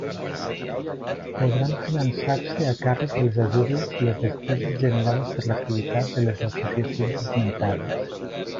Podran finançar-se a càrrec de les ajudes les despeses generades per l'activitat de les associacions esmentades.